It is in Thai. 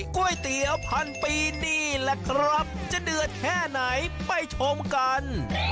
ก๋วยเตี๋ยวพันปีนี่แหละครับจะเดือดแค่ไหนไปชมกัน